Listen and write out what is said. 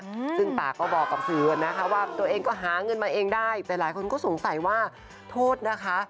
อืมซึ่งป่าก็บอกกับสื่อนะคะว่าตัวเองก็หาเงินมาเองได้แต่หลายคนก็สงสัยว่าโทษนะคะ